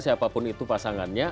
siapapun itu pasangannya